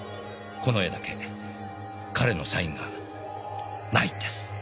この絵だけ彼のサインがないんです。